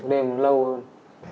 trực đêm lâu hơn